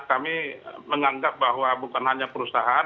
kami menganggap bahwa bukan hanya perusahaan